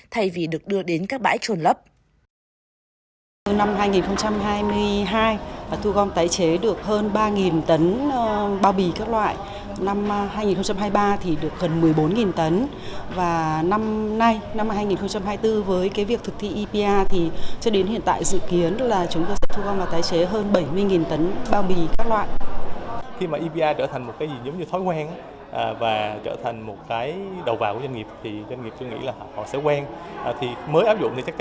thay vì được đưa đến các bãi trồn lấp